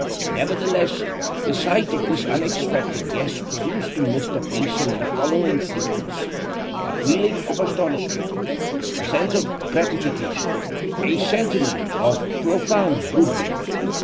Nevertheless, the sight of this unexpected guest produced in Mr. Beeson the following sequence: a feeling of astonishment; a sense of gratification; a sentiment of profound good will.